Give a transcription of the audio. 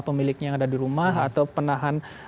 pemiliknya yang ada di rumah atau penahan